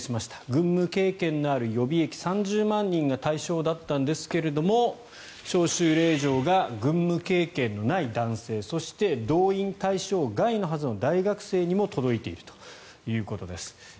軍務経験のある予備役３０万人が対象だったんですが招集令状が軍務経験のない男性そして、動員対象外のはずの大学生にも届いているということです。